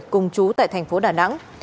cùng chú tại thành phố đà nẵng